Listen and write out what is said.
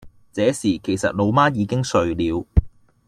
這時其實老媽已經睡了